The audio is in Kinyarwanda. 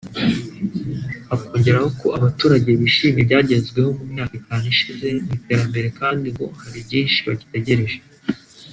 akongeraho ko abaturage bishimiye ibyagezweho mu myaka itanu ishize mu iterambere kandi ngo hari byinshi bagitegereje